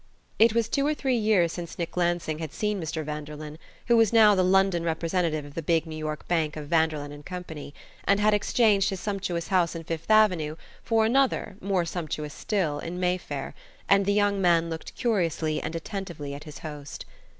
It was two or three years since Nick Lansing had seen Mr. Vanderlyn, who was now the London representative of the big New York bank of Vanderlyn & Co., and had exchanged his sumptuous house in Fifth Avenue for another, more sumptuous still, in Mayfair; and the young man looked curiously and attentively at his host.